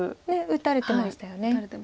打たれてましたよね。